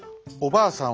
「ばあさん